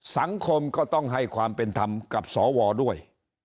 สังคมก็ต้องให้ความเป็นธรรมกับสวด้วย